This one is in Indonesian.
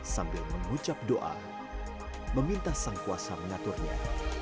sambil mengucap doa meminta sang kuasa mengaturnya